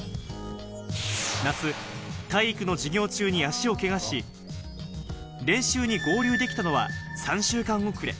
夏、体育の授業中に足をけがし、練習に合流できたのは３週間遅れ。